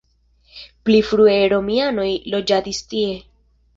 Pli frue romianoj loĝadis tie.